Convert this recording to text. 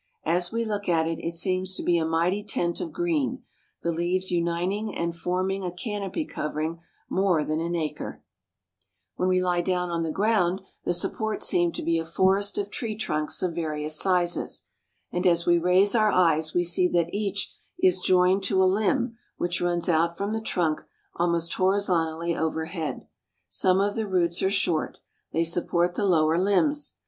As we look at it, it seems to be a mighty tent of green, the leaves uniting and forming a canopy covering more than an acre. 2 so THE CITIES OF INDIA When we lie down on the ground, the supports seem to be a forest of tree trunks of various sizes, and as we raise our eyes we see that each is joined to a hmb which runs out from the trunk almost horizontally overhead. Some of the roots are short. They support the lower limbs.